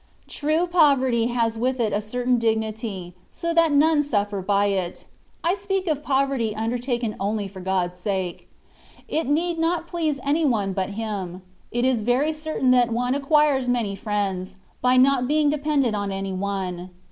True poverty has with it a certain dignity, so that none suffer by it (I speak of poverty undertaken only for God^s sake) : it need not please any one but Him : it is very certain that one acquires many friends, by not being dependent on any one.